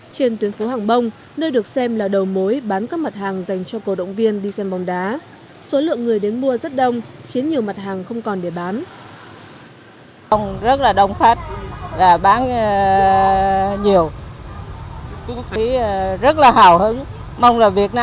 trên tuyến phố hàng bông nơi được xem là đầu mối bán các mặt hàng dành cho cổ động viên đi xem bóng đá số lượng người đến mua rất đông khiến nhiều mặt hàng không còn để bán